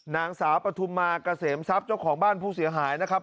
นางสาวปฐุมมาเกษมทรัพย์เจ้าของบ้านผู้เสียหายนะครับ